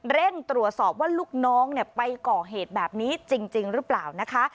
เร่งตรวจสอบว่าลูกน้องไปก่อเหตุแบบนี้จริงหรือเปล่านะคะ